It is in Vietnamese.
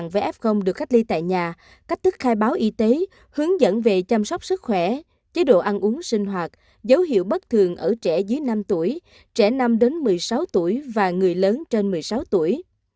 việc khai báo y tế hướng dẫn về chăm sóc sức khỏe chế độ ăn uống sinh hoạt dấu hiệu bất thường ở trẻ dưới năm tuổi trẻ năm đến một mươi sáu tuổi và người lớn trên một mươi sáu tuổi